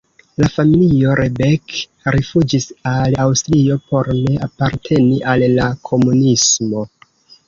La familio Rebek rifuĝis al Aŭstrio por ne aparteni al la komunismo.